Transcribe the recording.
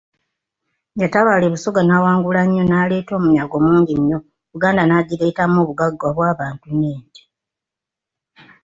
Yatabaala e Busoga n'awangula nnyo, n'aleeta omunyago mungi nnyo, Buganda n'agireetamu obugagga obw'abantu n'ente.